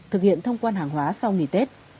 thực hiện thông quan hàng hóa sau nghỉ tết